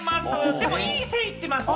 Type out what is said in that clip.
でも、いい線いってます。